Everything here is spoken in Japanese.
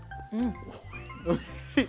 おいしい。